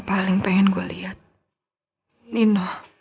baik kita akan berjalan